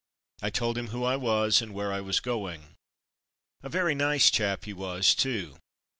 I told him who I was, and where I was going. A very nice chap he was, too.